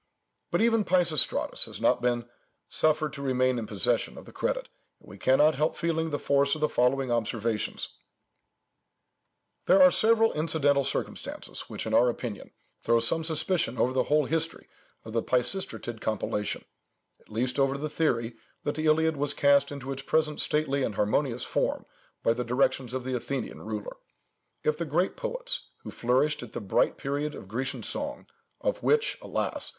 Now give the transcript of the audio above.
But even Peisistratus has not been suffered to remain in possession of the credit, and we cannot help feeling the force of the following observations— "There are several incidental circumstances which, in our opinion, throw some suspicion over the whole history of the Peisistratid compilation, at least over the theory, that the Iliad was cast into its present stately and harmonious form by the directions of the Athenian ruler. If the great poets, who flourished at the bright period of Grecian song, of which, alas!